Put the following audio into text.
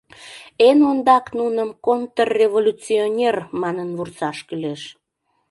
Эн ондак нуным «контрреволюционер» манын вурсаш кӱлеш...